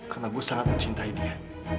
karena gue sangat mencintai dia